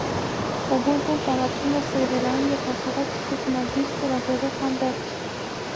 Ուբունտուն տարածվում է սերվերային և հասարակ սկզբնադիր ծրագրերով հանդերձ։